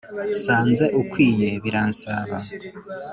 nsanze ukwiye biransaaba,